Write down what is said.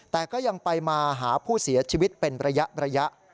แต่ก็ยังไปมาหาผู้เสียชีวิตเป็นระยะ